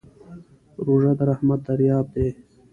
روژه د رحمت دریاب دی.